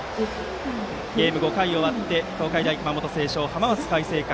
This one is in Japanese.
ゲーム、５回を終わって東海大熊本星翔、浜松開誠館。